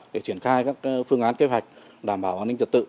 để triển khai các phương án kế hoạch đảm bảo an ninh trật tự